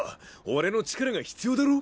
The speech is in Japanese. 俺の力が必要だろ。